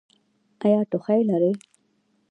ایا ټوخی لرئ؟